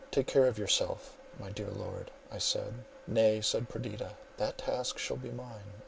"Take care of yourself, my dear Lord," I said. "Nay," said Perdita, "that task shall be mine.